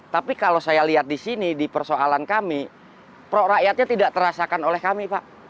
tapi kalau saya lihat di sini di persoalan kami pro rakyatnya tidak terasakan oleh kami pak